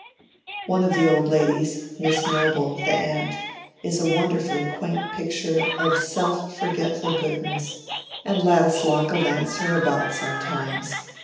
One of the old ladies—Miss Noble, the aunt—is a wonderfully quaint picture of self forgetful goodness, and Ladislaw gallants her about sometimes.